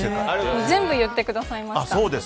全部言ってくださいました。